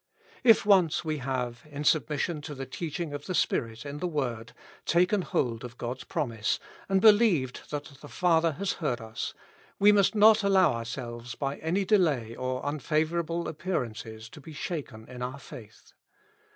If once we have, in submission to the teaching of the Spirit in the word, taken hold of God's promise, and believed that the Father has heard us, we must not allow ourselves by any delay or unfavorable appearances to be shaken in our faith.